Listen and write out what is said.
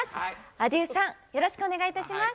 ａｄｉｅｕさんよろしくお願いいたします。